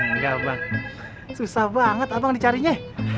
enggak bang susah banget abang di carinya